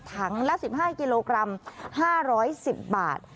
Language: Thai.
ถังละ๑๕กิโลกรัม๕๑๐บาท